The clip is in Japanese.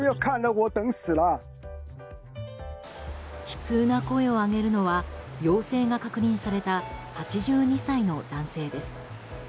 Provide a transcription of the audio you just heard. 悲痛な声を上げるのは陽性が確認された８２歳の男性です。